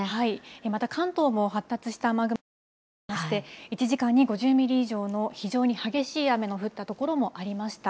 また、関東も発達した雨雲がかかっていまして、１時間に５０ミリ以上の非常に激しい雨の降った所もありました。